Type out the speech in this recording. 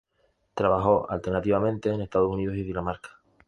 Trabajó alternativamente en Estados Unidos y Dinamarca.